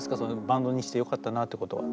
バンドにしてよかったなってことは。